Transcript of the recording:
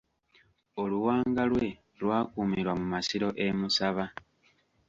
Oluwanga lwe lwakuumirwa mu masiro e Musaba.